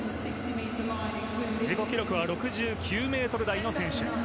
自己記録は６９ｍ台の選手。